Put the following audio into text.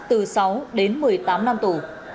từ sáu đến một mươi tám năm tù